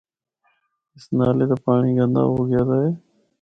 اس نالے دا پانڑی گندا ہو گیا دا اے۔